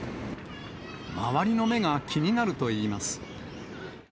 周りの目が気になるといいます。